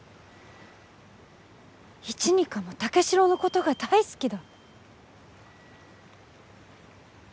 イチニカも武四郎のことが大好きだ。